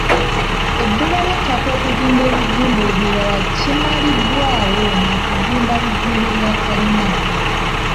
Ebbula ly'ettaka okuzimba ebizimbe ebirala kimalibwawo na kuzimba bizimbe bya kalina.